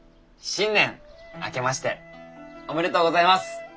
新年明けましておめでとうございます。